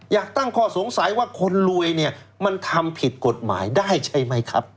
ตั้งข้อสงสัยว่าคนรวยเนี่ยมันทำผิดกฎหมายได้ใช่ไหมครับ